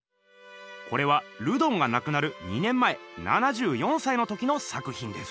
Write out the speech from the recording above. これはルドンがなくなる２年前７４歳の時の作ひんです。